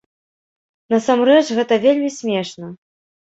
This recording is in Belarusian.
Насамрэч гэта вельмі смешна!